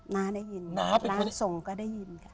น้าได้ยินน้าส่งก็ได้ยินค่ะ